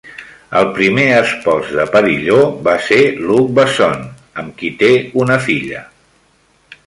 El primer espòs de Parillaud va ser Luc Besson, amb qui té una filla.